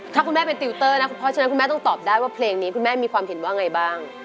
ถ้าคุณแม่เป็นติวเตอร์นะเพราะฉะนั้นคุณแม่ต้องตอบได้ว่าเพลงนี้คุณแม่มีความเห็นว่าไงบ้าง